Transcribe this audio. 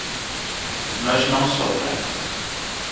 Mas não sofra.